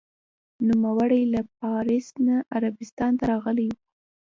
نوموړی له پارس نه عربستان ته راغلی و.